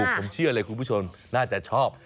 ผมเชื่อเลยคุณผู้ชมน่าจะชอบ